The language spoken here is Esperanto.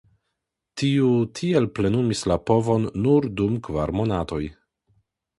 Tiu tiel plenumis la povon nur dum kvar monatoj.